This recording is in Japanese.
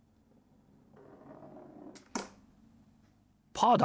パーだ！